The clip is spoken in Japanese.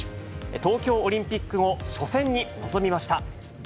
東京オリンピック後初戦に臨みました。